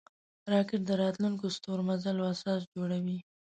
راکټ د راتلونکو ستورمزلو اساس جوړوي